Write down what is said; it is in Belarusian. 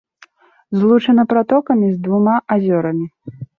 Злучана пратокамі з двума азёрамі.